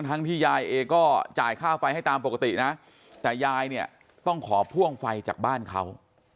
ที่ยายเองก็จ่ายค่าไฟให้ตามปกตินะแต่ยายเนี่ยต้องขอพ่วงไฟจากบ้านเขา